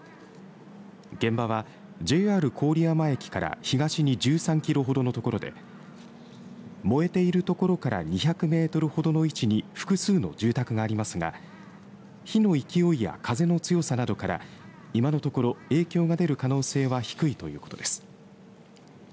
現場は、ＪＲ郡山駅から東に１３キロほどの所で燃えている所から２００メートルほどの位置に複数の住宅がありますが火の勢いや風の強さなどから今のところ影響が出る可能性は低いということです。